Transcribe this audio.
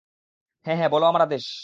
হ্যাঁ, হ্যাঁ, বলো আমার আদেশ।